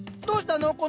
どうしたの？